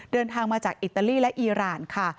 เดินทางมาจากอิตาลีและอีรานค่ะ